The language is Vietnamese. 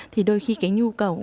thì đôi khi cái nhu cầu